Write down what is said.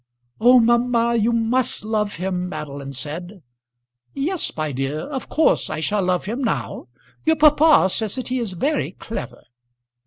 "Oh, mamma, you must love him," Madeline said. "Yes, my dear; of course I shall love him now. Your papa says that he is very clever."